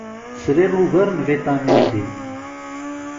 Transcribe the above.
Sriɣ ugar n vitamin D.